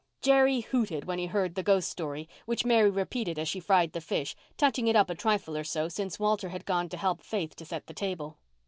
Jerry hooted when he heard the ghost story—which Mary repeated as she fried the fish, touching it up a trifle or so, since Walter had gone to help Faith to set the table.